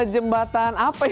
jembatan apa ya